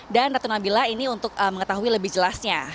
dan ratu nabila ini untuk mengetahui lebih jelasnya